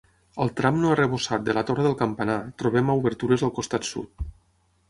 Al tram no arrebossat de la torre del campanar, trobem obertures al costat sud.